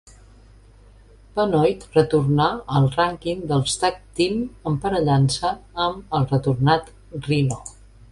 Benoit retornà al rànquing dels "tag team", emparellant-se amb el retornat Rhyno.